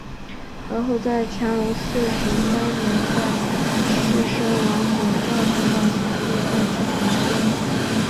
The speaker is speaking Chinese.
而后在乾隆四十三年在士绅王拱照主导下又再次重修。